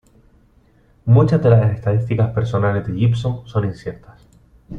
Muchas de las estadísticas personales de Gibson son inciertas.